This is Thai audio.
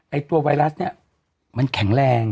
ตัวไวรัสเนี่ยมันแข็งแรง